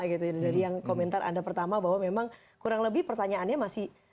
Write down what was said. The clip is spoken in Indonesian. dari yang komentar anda pertama bahwa memang kurang lebih pertanyaannya masih